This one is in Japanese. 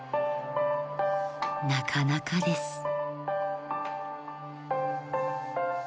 ［なかなかです］